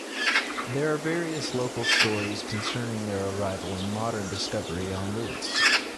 There are various local stories concerning their arrival and modern discovery on Lewis.